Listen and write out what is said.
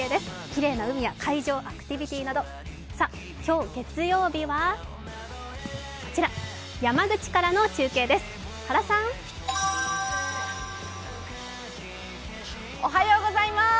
きれいな海や海上アクティビティーなど、今日月曜日は、山口からの中継です